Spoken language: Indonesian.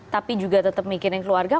tapi juga tetap mikirin keluarga